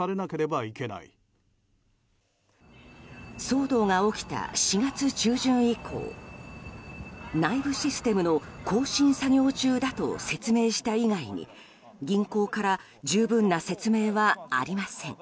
騒動が起きた４月中旬以降内部システムの更新作業中だと説明した以外に銀行から十分な説明はありません。